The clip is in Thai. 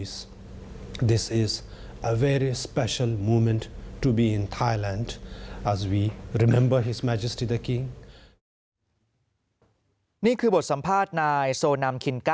กับหนึ่งของมนุษย์ที่มนุษย์แสดงสัมพันธ์ที่โลกก็เห็น